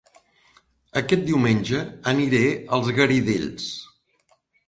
Aquest diumenge aniré a Els Garidells